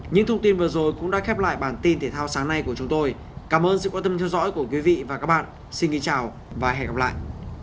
những thông tin vừa rồi cũng đã khép lại bản tin thể thao sáng nay của chúng tôi cảm ơn sự quan tâm theo dõi của quý vị và các bạn xin kính chào và hẹn gặp lại